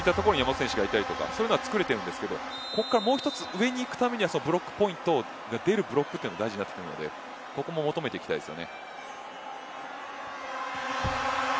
ブロックで抜いたところに山本選手がいたりとかそういう関係はつくれているんですがもう一つ上にいくためにはブロックポイントで出るブロックが大事になるのでここは求めていきたいですね。